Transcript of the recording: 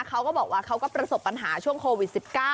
เขาก็บอกว่าเขาก็ประสบปัญหาช่วงโควิด๑๙